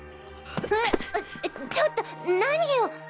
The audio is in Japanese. えっちょっと何よ！？